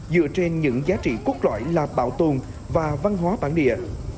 dựa trên những giá trị quốc loại là bảo tồn và văn hóa bản địa